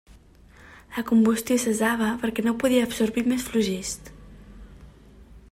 La combustió cessava perquè no podia absorbir més flogist.